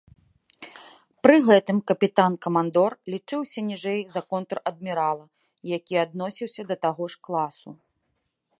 Пры гэтым капітан-камандор лічыўся ніжэй за контр-адмірала, які адносіўся да таго ж класу.